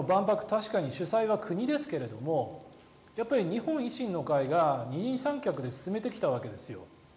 確かに主催は国ですけれど日本維新の会が、二人三脚で進めてきたわけですよ。